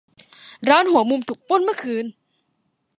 ร้านหัวมุมถูกปล้นเมื่อคืน